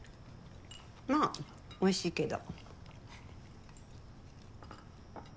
まあ美味しいけど。